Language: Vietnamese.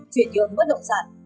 chuyển dưỡng bất động sản